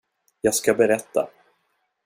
Jag ska berätta.